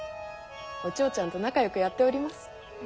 お千代ちゃんと仲よくやっております。